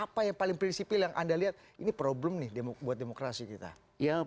apa yang paling prinsipil yang anda lihat ini problem nih buat demokrasi kita